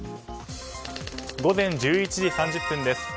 午前１１時３０分です。